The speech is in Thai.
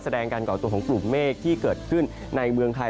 การก่อตัวของกลุ่มเมฆที่เกิดขึ้นในเมืองไทย